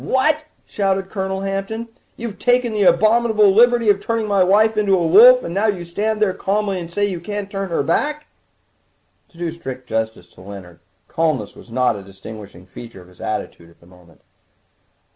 "What!" shouted Colonel Hampton, "you've taken the abominable liberty of turning my wife into a wolf, and now you stand there calmly and say you can't turn her back again!" To do strict justice to Leonard, calmness was not a distinguishing feature of his attitude at the moment.